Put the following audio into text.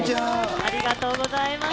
ありがとうございます。